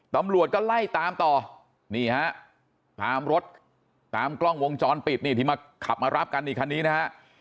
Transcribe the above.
ตำรวจก็ไล่ตามต่อนี่ฮะตามรถตามกล้องวงจรปิดนี่ที่มาขับมารับกันนี่คันนี้นะฮะ